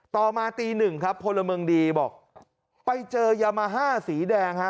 ต่อมาตีหนึ่งครับพลเมืองดีบอกไปเจอยามาฮ่าสีแดงฮะ